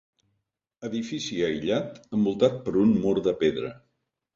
Edifici aïllat, envoltat per un mur de pedra.